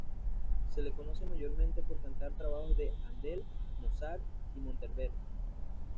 Se le conoce mayormente por cantar trabajos de Händel, Mozart y Monteverdi.